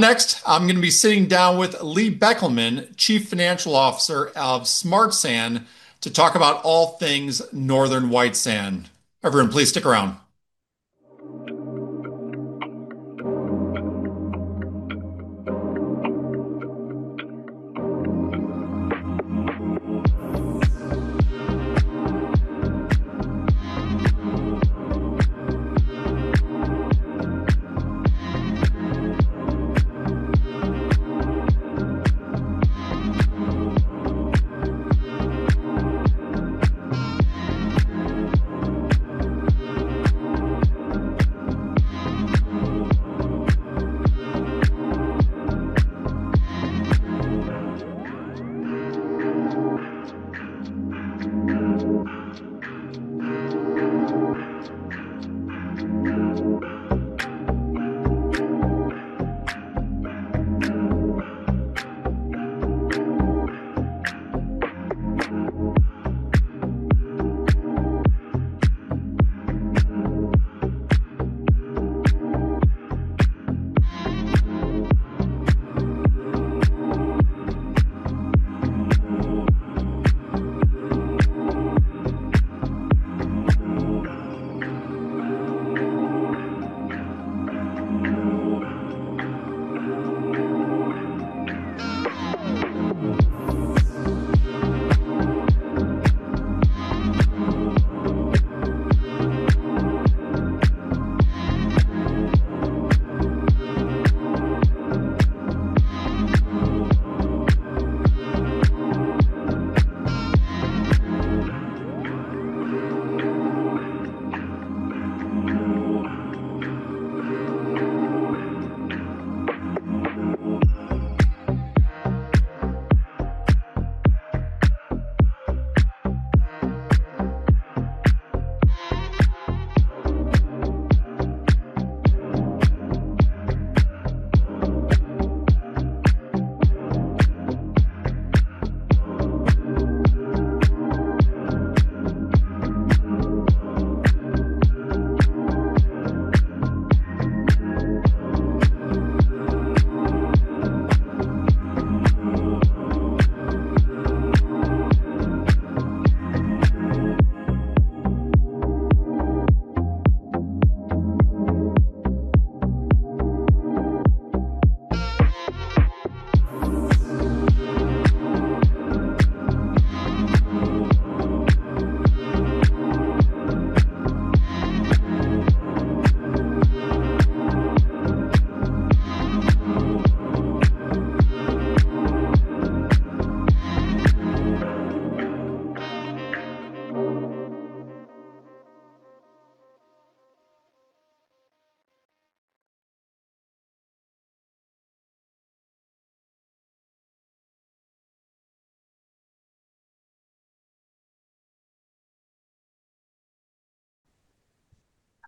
Next, I'm gonna be sitting down with Lee Beckelman, Chief Financial Officer of Smart Sand, to talk about all things Northern White sand. Everyone, please stick around.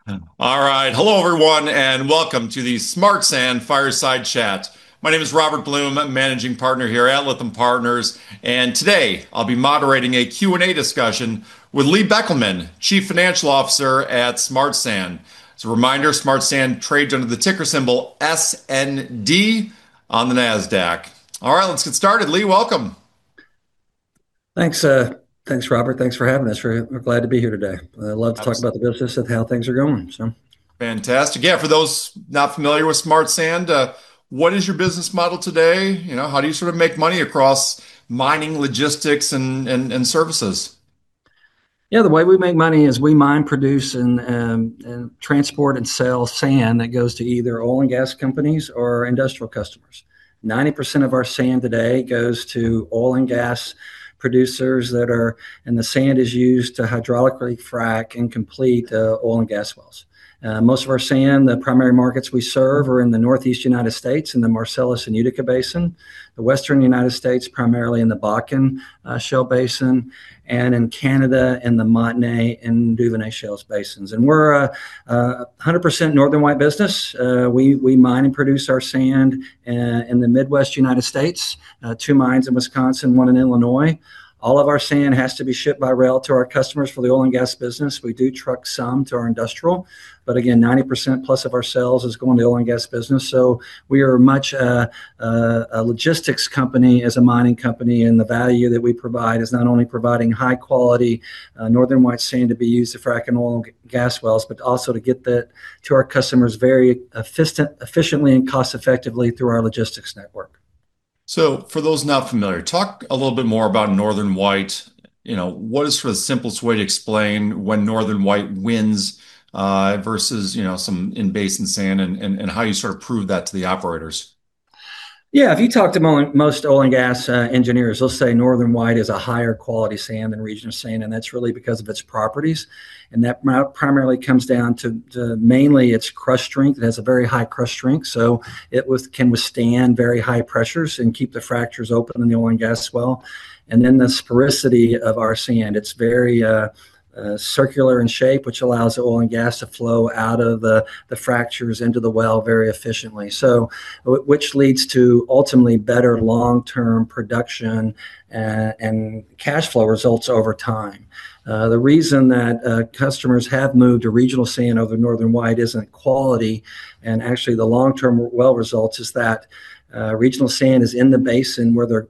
All right. Hello everyone, and welcome to the Smart Sand Fireside Chat. My name is Robert Blum. I'm managing partner here at Lytham Partners. Today, I'll be moderating a Q&A discussion with Lee Beckelman, Chief Financial Officer at Smart Sand. As a reminder, Smart Sand trades under the ticker symbol SND on the NASDAQ. All right, let's get started. Lee, welcome. Thanks, Robert. Thanks for having us. We're glad to be here today. I love to talk about the business and how things are going, so. Fantastic. Yeah. For those not familiar with Smart Sand, what is your business model today? You know, how do you sort of make money across mining, logistics, and services? Yeah. The way we make money is we mine, produce and transport and sell sand that goes to either oil and gas companies or industrial customers. 90% of our sand today goes to oil and gas producers. The sand is used to hydraulically frack and complete oil and gas wells. Most of our sand, the primary markets we serve are in the Northeast United States, in the Marcellus and Utica basins, the Western United States, primarily in the Bakken shale basin, and in Canada in the Montney and Duvernay shale basins. We're a 100% Northern White business. We mine and produce our sand in the Midwest United States. Two mines in Wisconsin, one in Illinois. All of our sand has to be shipped by rail to our customers for the oil and gas business. We do truck some to our industrial. Again, 90%+ of our sales is going to oil and gas business. We are much of a logistics company as a mining company, and the value that we provide is not only providing high-quality Northern White sand to be used to frack oil and gas wells, but also to get that to our customers very efficiently and cost effectively through our logistics network. For those not familiar, talk a little bit more about Northern White. You know, what is sort of the simplest way to explain when Northern White wins versus, you know, some in-basin sand and how you sort of prove that to the operators? Yeah, if you talk to most oil and gas engineers, they'll say Northern White is a higher quality sand than regional sand, and that's really because of its properties, and that primarily comes down to mainly its crush strength. It has a very high crush strength, so it can withstand very high pressures and keep the fractures open in the oil and gas well. Then the sphericity of our sand, it's very circular in shape, which allows the oil and gas to flow out of the fractures into the well very efficiently, so which leads to ultimately better long-term production and cash flow results over time. The reason that customers have moved to regional sand over Northern White isn't quality, and actually the long-term results is that regional sand is in the basin where they're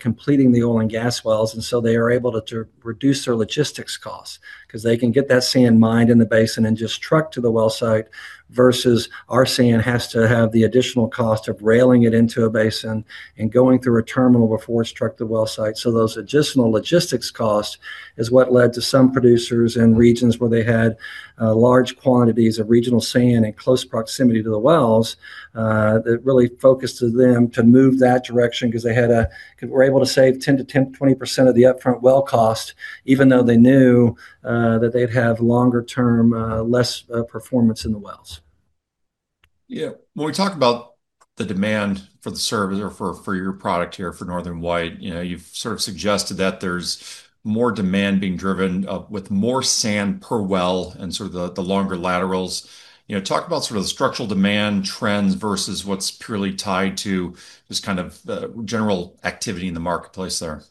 completing the oil and gas wells, and they are able to reduce their logistics costs 'cause they can get that sand mined in the basin and just trucked to the well site versus our sand has to have the additional cost of railing it into a basin and going through a terminal before it's trucked to the well site. Those additional logistics cost is what led to some producers in regions where they had large quantities of regional sand in close proximity to the wells that really forced them to move that direction 'cause they had a... We were able to save 10%-20% of the upfront well cost even though they knew that they'd have longer term less performance in the wells. Yeah. When we talk about the demand for the service or for your product here for Northern White, you know, you've sort of suggested that there's more demand being driven with more sand per well and sort of the longer laterals. You know, talk about sort of the structural demand trends versus what's purely tied to just kind of general activity in the marketplace there.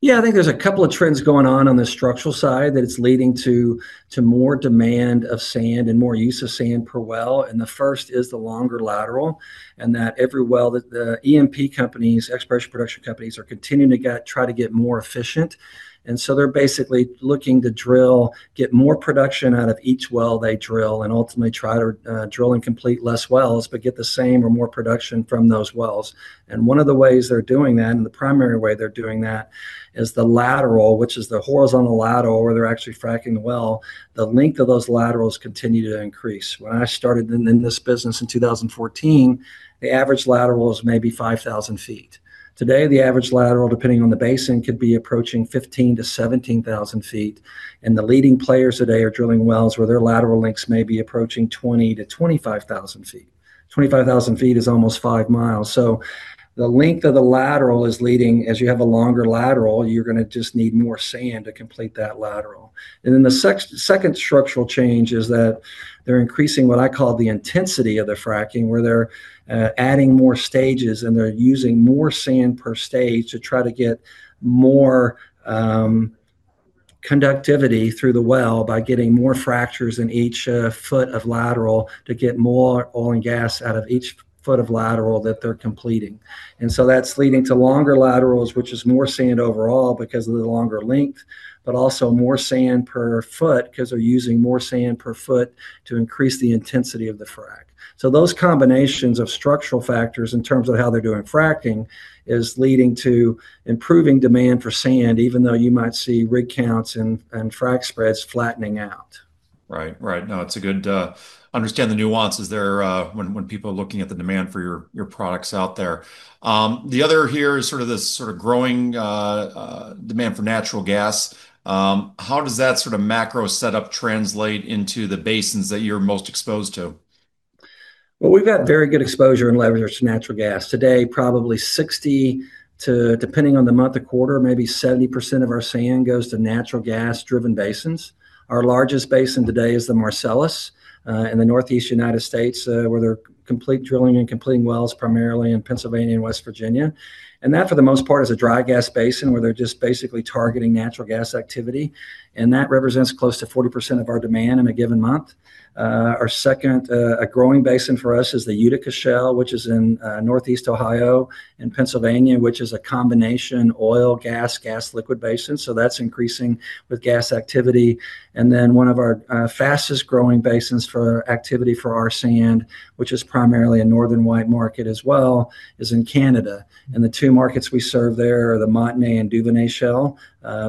Yeah, I think there's a couple of trends going on on the structural side that it's leading to more demand of sand and more use of sand per well, and the first is the longer lateral and that every well that the E&P companies, exploration and production companies, are continuing to get, try to get more efficient. They're basically looking to drill, get more production out of each well they drill, and ultimately try to drill and complete less wells but get the same or more production from those wells. One of the ways they're doing that, and the primary way they're doing that, is the lateral, which is the horizontal lateral where they're actually fracking the well. The length of those laterals continue to increase. When I started in this business in 2014, the average lateral was maybe 5,000 ft. Today, the average lateral, depending on the basin, could be approaching 15,000-17,000 ft, and the leading players today are drilling wells where their lateral lengths may be approaching 20,000-25,000 ft. 25,000 feet is almost 5 mi. The length of the lateral is leading. As you have a longer lateral, you're gonna just need more sand to complete that lateral. The second structural change is that they're increasing what I call the intensity of the fracking, where they're adding more stages and they're using more sand per stage to try to get more conductivity through the well by getting more fractures in each foot of lateral to get more oil and gas out of each foot of lateral that they're completing. That's leading to longer laterals, which is more sand overall because of the longer length, but also more sand per foot because they're using more sand per foot to increase the intensity of the frac. Those combinations of structural factors in terms of how they're doing fracking is leading to improving demand for sand even though you might see rig counts and frac spreads flattening out. Right. No, it's a good understand the nuances there, when people are looking at the demand for your products out there. The other here is sort of this growing demand for natural gas. How does that sort of macro setup translate into the basins that you're most exposed to? Well, we've got very good exposure and leverage to natural gas. Today, probably [60%] to, depending on the month or quarter, maybe 70% of our sand goes to natural gas driven basins. Our largest basin today is the Marcellus in the Northeast United States where they're completing drilling and completing wells primarily in Pennsylvania and West Virginia. That for the most part is a dry gas basin where they're just basically targeting natural gas activity, and that represents close to 40% of our demand in a given month. Our second, a growing basin for us is the Utica Shale, which is in Northeast Ohio and Pennsylvania, which is a combination oil, gas liquid basin, so that's increasing with gas activity. One of our fastest growing basins for activity for our sand, which is primarily a Northern White market as well, is in Canada. The two markets we serve there are the Montney and Duvernay Shale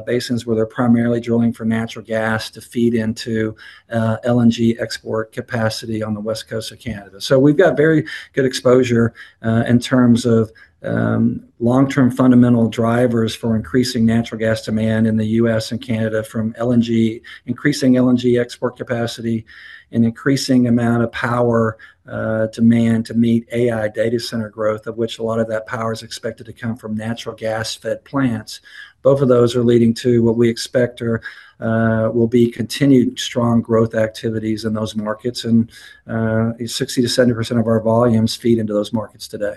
basins where they're primarily drilling for natural gas to feed into LNG export capacity on the west coast of Canada. We've got very good exposure in terms of long-term fundamental drivers for increasing natural gas demand in the U.S. and Canada from LNG, increasing LNG export capacity, and increasing amount of power demand to meet AI data center growth, of which a lot of that power is expected to come from natural gas fed plants. Both of those are leading to what we expect will be continued strong growth activities in those markets and 60%-70% of our volumes feed into those markets today.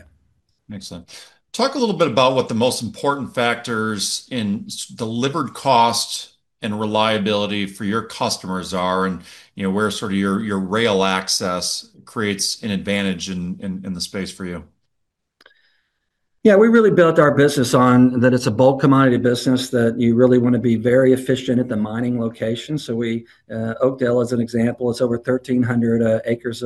Excellent. Talk a little bit about what the most important factors in delivered cost and reliability for your customers are and, you know, where sort of your rail access creates an advantage in the space for you. Yeah, we really built our business on that it's a bulk commodity business that you really wanna be very efficient at the mining location. We, Oakdale as an example, it's over 1,300 acres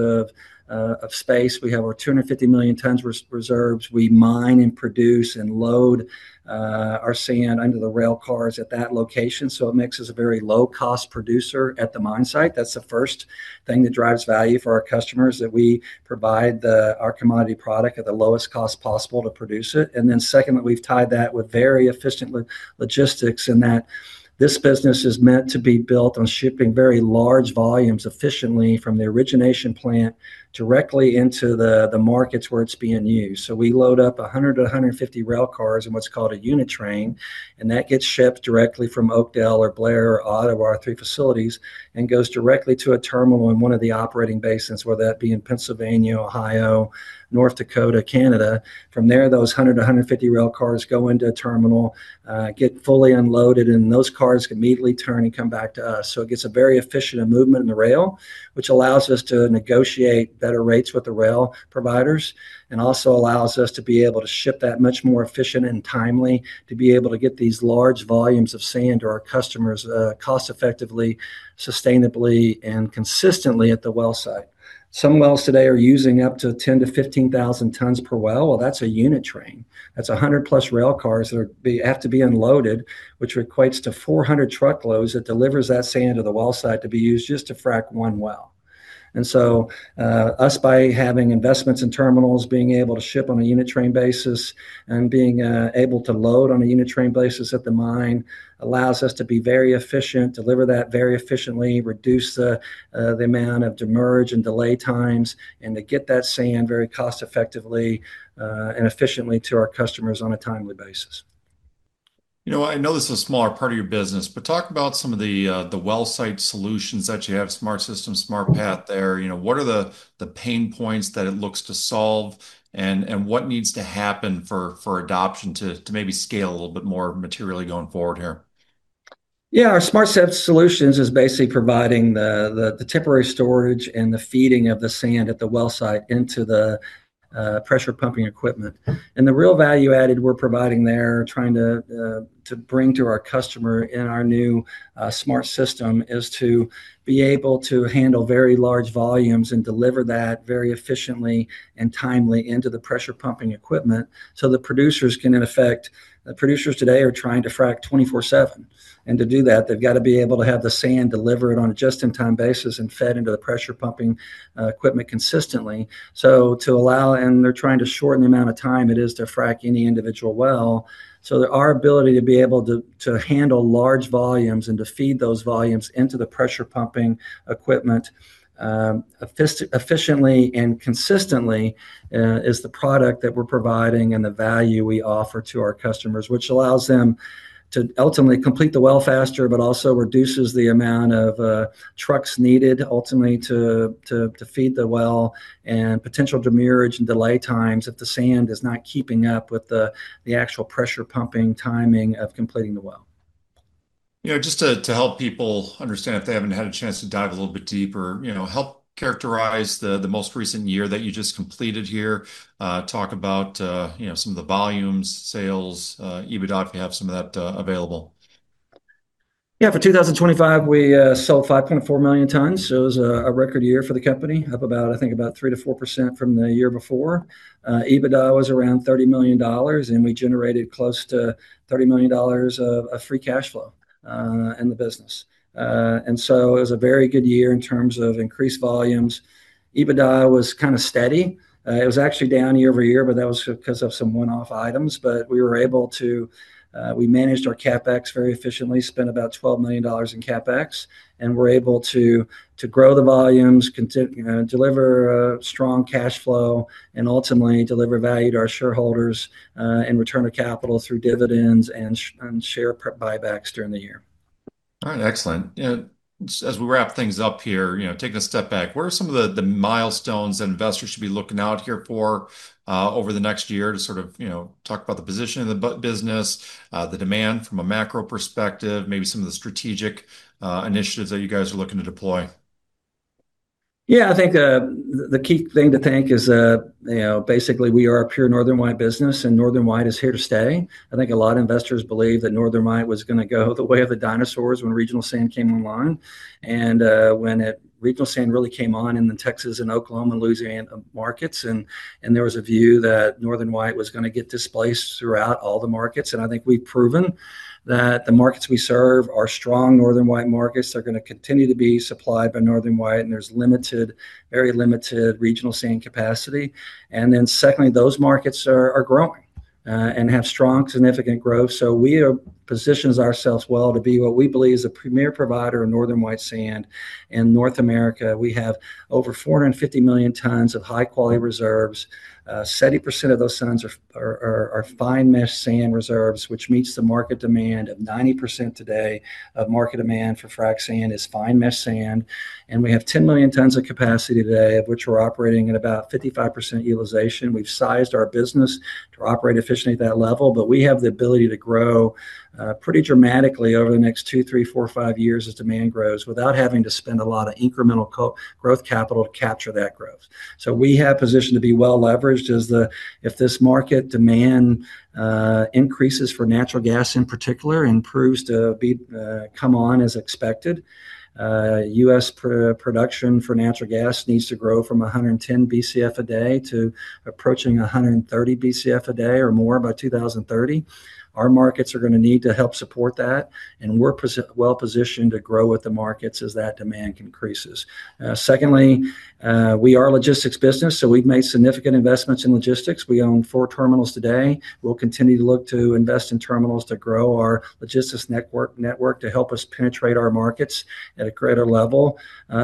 of space. We have our 250 million tons reserves. We mine and produce and load our sand onto the rail cars at that location. It makes us a very low cost producer at the mine site. That's the first thing that drives value for our customers, that we provide the our commodity product at the lowest cost possible to produce it. Then second, that we've tied that with very efficient logistics in that this business is meant to be built on shipping very large volumes efficiently from the origination plant directly into the markets where it's being used. We load up 100-150 rail cars in what's called a unit train, and that gets shipped directly from Oakdale or Blair or Ottawa, our three facilities, and goes directly to a terminal in one of the operating bases, whether that be in Pennsylvania, Ohio, North Dakota, Canada. From there, those 100-150 rail cars go into a terminal, get fully unloaded, and those cars immediately turn and come back to us. It gets a very efficient movement in the rail, which allows us to negotiate better rates with the rail providers and also allows us to be able to ship that much more efficient and timely to be able to get these large volumes of sand to our customers, cost-effectively, sustainably, and consistently at the well site. Some wells today are using up to 10,000-15,000 tons per well. Well, that's a unit train. That's 100+ rail cars that have to be unloaded, which equates to 400 truckloads that delivers that sand to the well site to be used just to frack one well. Us by having investments in terminals, being able to ship on a unit train basis and being able to load on a unit train basis at the mine allows us to be very efficient, deliver that very efficiently, reduce the amount of demurrage and delay times, and to get that sand very cost-effectively and efficiently to our customers on a timely basis. You know, I know this is a smaller part of your business, but talk about some of the wellsite solutions that you have, SmartSystem, SmartPath there. You know, what are the pain points that it looks to solve, and what needs to happen for adoption to maybe scale a little bit more materially going forward here? Yeah. Our [SmartSystem] is basically providing the temporary storage and the feeding of the sand at the well site into the pressure pumping equipment. The real value added we're providing there, trying to bring to our customer in our new SmartSystem is to be able to handle very large volumes and deliver that very efficiently and timely into the pressure pumping equipment so the producers can in effect Producers today are trying to frack 24/7, and to do that, they've gotta be able to have the sand delivered on a just-in-time basis and fed into the pressure pumping equipment consistently. They're trying to shorten the amount of time it is to frack any individual well. Our ability to be able to handle large volumes and to feed those volumes into the pressure pumping equipment efficiently and consistently is the product that we're providing and the value we offer to our customers, which allows them to ultimately complete the well faster, but also reduces the amount of trucks needed ultimately to feed the well and potential demurrage and delay times if the sand is not keeping up with the actual pressure pumping timing of completing the well. You know, just to help people understand if they haven't had a chance to dive a little bit deeper, you know, help characterize the most recent year that you just completed here. Talk about, you know, some of the volumes, sales, EBITDA, if you have some of that, available. Yeah. For 2025, we sold 5.4 million tons, so it was a record year for the company, up about, I think about 3%-4% from the year before. EBITDA was around $30 million, and we generated close to $30 million of free cash flow in the business. It was a very good year in terms of increased volumes. EBITDA was kinda steady. It was actually down year-over-year, but that was because of some one-off items We were able to, we managed our CapEx very efficiently, spent about $12 million in CapEx and were able to to grow the volumes, you know, deliver strong cash flow and ultimately deliver value to our shareholders, in return of capital through dividends and share buybacks during the year. All right. Excellent. As we wrap things up here, you know, taking a step back, what are some of the the milestones that investors should be looking out here for over the next year to sort of, you know, talk about the position of the business, the demand from a macro perspective, maybe some of the strategic initiatives that you guys are looking to deploy? Yeah. I think the key thing to think is, you know, basically we are a pure Northern White business, and Northern White is here to stay. I think a lot of investors believe that Northern White was gonna go the way of the dinosaurs when regional sand came along, and regional sand really came on in the Texas and Oklahoma and Louisiana markets, and there was a view that Northern White was gonna get displaced throughout all the markets. I think we've proven that the markets we serve are strong Northern White markets. They're gonna continue to be supplied by Northern White, and there's limited, very limited regional sand capacity. Then secondly, those markets are growing and have strong, significant growth. We position ourselves well to be what we believe is a premier provider of Northern White sand in North America. We have over 450 million tons of high quality reserves. 70% of those tons are fine mesh sand reserves, which meet the market demand. 90% of market demand for frac sand is fine mesh sand. We have 10 million tons of capacity today, of which we're operating at about 55% utilization. We've sized our business to operate efficiently at that level, but we have the ability to grow pretty dramatically over the next two, three, four, five years as demand grows, without having to spend a lot of incremental growth capital to capture that growth. We have positioned to be well leveraged as if this market demand increases for natural gas in particular, and proves to be come on as expected. U.S. production for natural gas needs to grow from 110 Bcf/d to approaching 130 Bcf/d or more by 2030. Our markets are gonna need to help support that, and we're well-positioned to grow with the markets as that demand increases. Secondly, we are a logistics business, so we've made significant investments in logistics. We own four terminals today. We'll continue to look to invest in terminals to grow our logistics network to help us penetrate our markets at a greater level.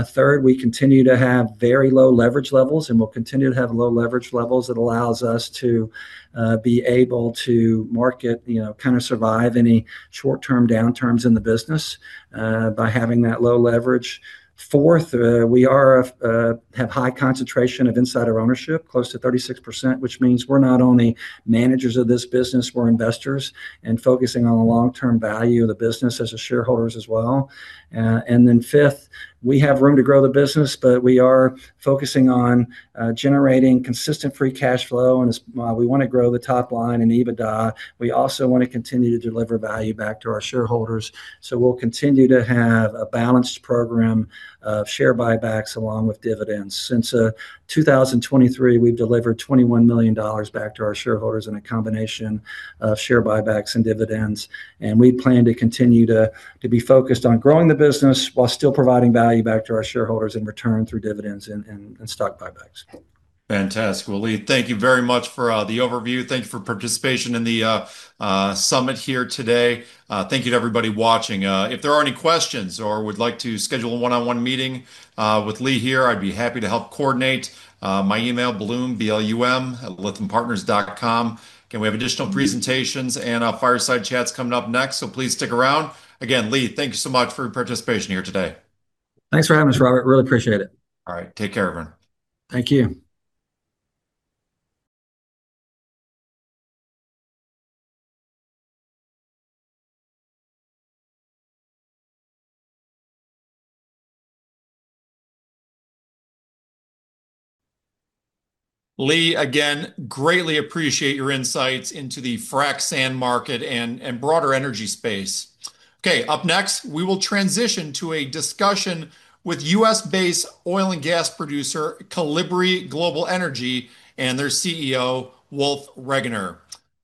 Third, we continue to have very low leverage levels, and we'll continue to have low leverage levels that allows us to be able to weather, you know, kinda survive any short-term downturns in the business by having that low leverage. Fourth, we have high concentration of insider ownership, close to 36%, which means we're not only managers of this business, we're investors, and focusing on the long-term value of the business as our shareholders as well. Fifth, we have room to grow the business, but we are focusing on generating consistent free cash flow. As we wanna grow the top line and EBITDA, we also wanna continue to deliver value back to our shareholders. We'll continue to have a balanced program of share buybacks along with dividends. Since 2023, we've delivered $21 million back to our shareholders in a combination of share buybacks and dividends. We plan to continue to be focused on growing the business while still providing value back to our shareholders in return through dividends and stock buybacks. Fantastic. Well, Lee, thank you very much for the overview. Thank you for participation in the summit here today. Thank you to everybody watching. If there are any questions or would like to schedule a one-on-one meeting with Lee here, I'd be happy to help coordinate. My email, Blum, B-L-U-M@lythampartners.com. Okay, we have additional presentations and our fireside chats coming up next, so please stick around. Again, Lee, thank you so much for your participation here today. Thanks for having us, Robert. I really appreciate it. All right, take care, everyone. Thank you. Lee, again, I greatly appreciate your insights into the frac sand market and broader energy space. Okay, up next, we will transition to a discussion with U.S.-based oil and gas producer, Kolibri Global Energy, and their CEO, Wolf Regener.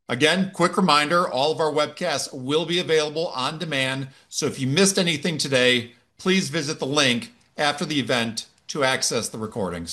Again, quick reminder, all of our webcasts will be available on demand, so if you missed anything today, please visit the link after the event to access the recording.